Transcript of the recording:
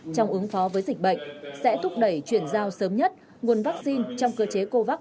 trong ứng phó với dịch bệnh sẽ thúc đẩy chuyển giao sớm nhất nguồn vaccine trong cơ chế covax